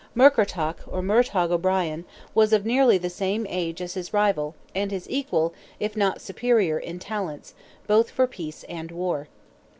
Murkertach, or Murtogh O'Brien, was of nearly the same age as his rival, and his equal, if not superior in talents, both for peace and war.